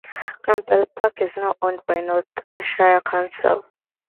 Campbell Park is now owned by North Ayrshire Council.